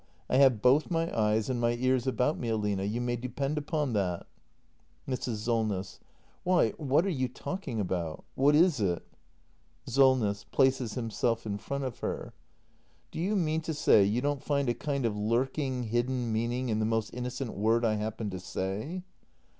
I have both my eyes and my ears about me, Aline — you may depend upon that! Mrs. Solness. Why, what are you talking about ? What is it ? Solness. [Places himself in front of her.] Do you mean to say you don't find a kind of lurking, hidden meaning in the most innocent word I happen to say?